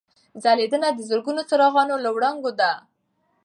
ځلېدنه د زرګونو څراغونو له وړانګو ده.